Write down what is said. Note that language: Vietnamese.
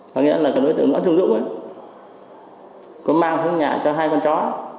có nghĩa là cái đối tượng đó là trung dũng ấy có mang xuống nhà cho hai con chó